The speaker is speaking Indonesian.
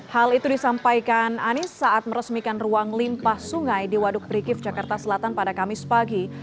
hal itu disampaikan anies saat meresmikan ruang limpah sungai di waduk brikif jakarta selatan pada kamis pagi